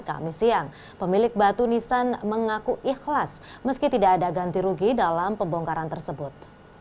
kami siang pemilik batu nisan mengaku ikhlas meski tidak ada ganti rugi dalam pembongkaran tersebut